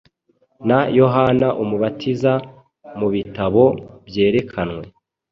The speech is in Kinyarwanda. Na Yohana Umubatiza, mubitabo byerekanwe,